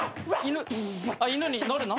犬に乗るの？